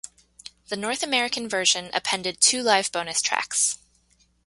The North American version appended two live bonus tracks.